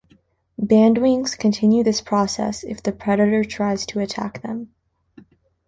Bandwings continue this process if the predator tries to attack them.